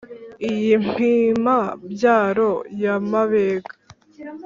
Iyi Mpima-byaro ya Mabega,